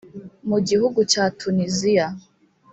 Mu gihugu cya Tunisia